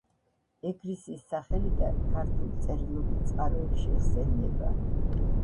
ეგრისის სახელიდან. ქართულ წერილობით წყაროებში იხსენიება